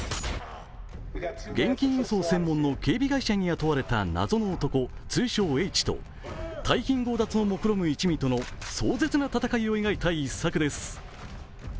現金輸送専門の警備会社に雇われた謎の男、通称・Ｈと大金強奪をもくろむ一味との壮絶な戦いを描いた一作です。